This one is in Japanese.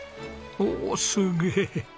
おおすげえ！